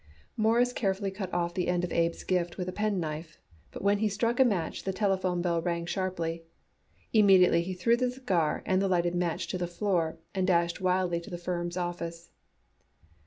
Morris carefully cut off the end of Abe's gift with a penknife, but when he struck a match the telephone bell rang sharply. Immediately he threw the cigar and the lighted match to the floor and dashed wildly to the firm's office.